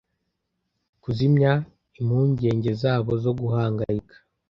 kuzimya impungenge zabo zo guhangayika